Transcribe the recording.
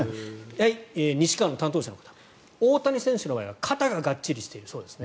西川の担当者の方大谷選手の場合は肩ががっちりしているそうです。